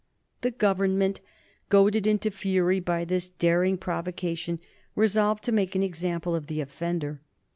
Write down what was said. The Government, goaded into fury by this daring provocation, resolved to make an example of the offender.